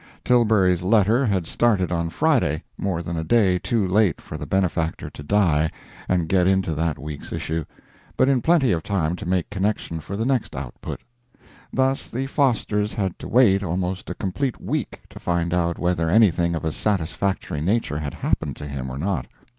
Tilbury's letter had started on Friday, more than a day too late for the benefactor to die and get into that week's issue, but in plenty of time to make connection for the next output. Thus the Fosters had to wait almost a complete week to find out whether anything of a satisfactory nature had happened to him or not.